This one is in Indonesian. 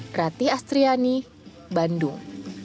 krati astriani bandung